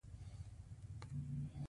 د ګیدړې او چرګ ژوند په یوه ځای ناممکن دی.